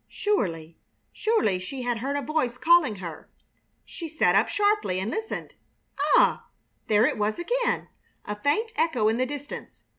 Surely, surely, she had heard a voice calling her! She sat up sharply and listened. Ah! There it was again, a faint echo in the distance.